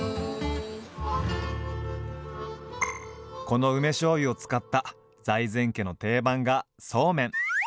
この梅しょうゆを使った財前家の定番がそうめん。